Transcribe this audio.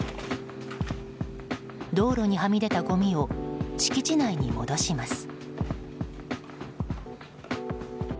道路にはみ出たごみを敷地内に戻します。